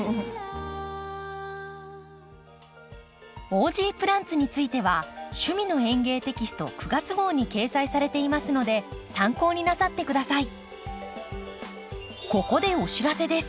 「オージープランツ」については「趣味の園芸」テキスト９月号に掲載されていますので参考になさって下さい。